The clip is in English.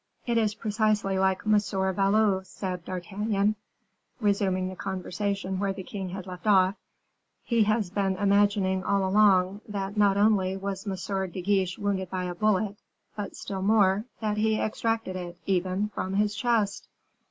"It is precisely like M. Valot," said D'Artagnan, resuming the conversation where the king had left off; "he has been imagining all along, that not only was M. de Guiche wounded by a bullet, but still more, that he extracted it, even, from his chest."